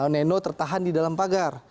neno tertahan di dalam pagar